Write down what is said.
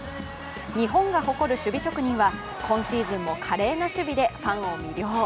日本が誇る守備職人は今シーズンも華麗な守備でファンを魅了。